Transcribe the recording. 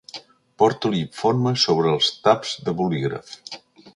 Porto l'informe sobre els taps de bolígraf.